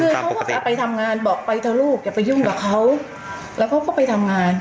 คือเขาก็พาไปทำงานบอกไปเถอะลูกอย่าไปยุ่งกับเขาแล้วเขาก็ไปทำงาน